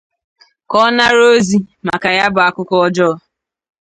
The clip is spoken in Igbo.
ka ọ nara ozi maka ya bụ akụkọ ọjọọ.